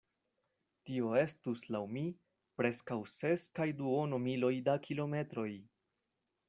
Tio estus, laŭ mi, preskaŭ ses kaj duono miloj da kilometroj.